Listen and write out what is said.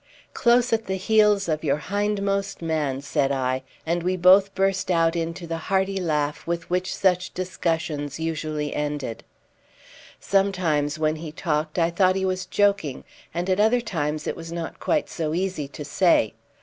"Close at the heels of your hindmost man," said I; and we both burst out into the hearty laugh with which such discussions usually ended. Sometimes when he talked I thought he was joking, and at other times it was not quite so easy to say.